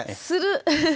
する。